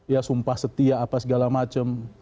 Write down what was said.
ya sumpah setia apa segala macam